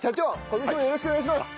今年もよろしくお願いします！